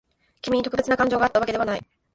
君に特別な感情があったわけではない。